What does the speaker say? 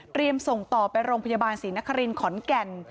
ส่งต่อไปโรงพยาบาลศรีนครินขอนแก่น